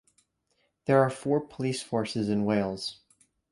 There are four police forces in Wales.